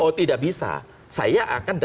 oh tidak bisa saya akan